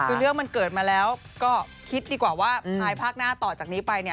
คือเรื่องมันเกิดมาแล้วก็คิดดีกว่าว่าภายภาคหน้าต่อจากนี้ไปเนี่ย